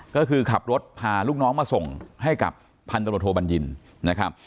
ก็คือขับรถพาลูกน้องมาส่งให้กับพันตรวจโทบัญญินนะครับ